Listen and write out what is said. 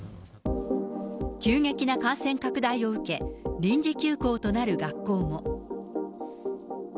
急激な感染拡大を受け、臨時休校となる学校も。